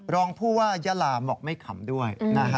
รองผู้ว่ายาลาบอกไม่ขำด้วย